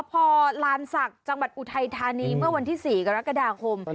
พอลานศักดิ์จังหวัดอุทัยธานีเมื่อวันที่๔กรกฎาคม